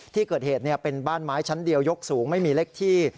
ที่เกิดเหตุเป็นบ้านไม้ชั้นเดียวยกสูงไม่มีเล็กที่